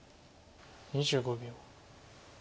２５秒。